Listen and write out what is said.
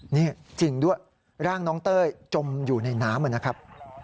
นี่จริงด้วยร่างน้องเต้ยจมอยู่ในน้ำนะครับ